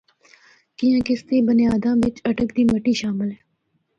کیّاںکہ اس دیاں بنیاداں بچ اٹک دی مٹی شامل ہے۔